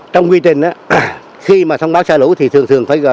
trong quy trình đó khi mà xong báo xa lũ thì thường thường